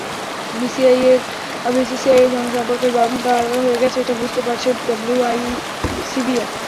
বিসিসিআইয়ের সঙ্গে সম্পর্কের বাঁধনটা আলগা হয়ে গেছে, এটা বুঝতে পারছে ডব্লুআইসিবিও।